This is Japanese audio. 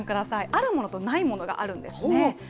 あるものがないものがあるんですね。